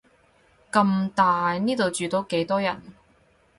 咁大，呢度住到幾多人